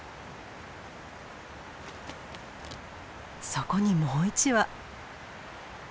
そこにもう１羽。